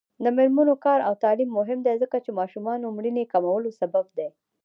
د میرمنو کار او تعلیم مهم دی ځکه چې ماشومانو مړینې کمولو سبب دی.